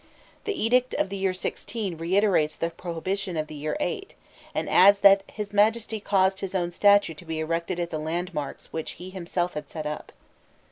The edict of the year XVI. reiterates the prohibition of the year VIII., and adds that "His Majesty caused his own statue to be erected at the landmarks which he himself had set up."